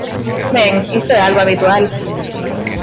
Ben, isto é algo habitual.